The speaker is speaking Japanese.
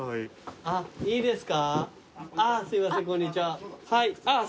あっいいですか？